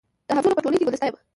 د همزولو په ټولۍ کي ګلدسته یم